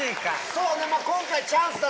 そうね。